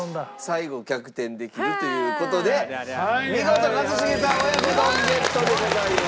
最後逆転できるという事で見事一茂さん親子丼ゲットでございます。